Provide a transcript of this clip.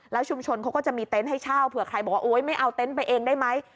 ชุมชนเขาก็จะมีเต็นต์ให้เช่าเผื่อใครบอกว่าโอ๊ยไม่เอาเต็นต์ไปเองได้ไหม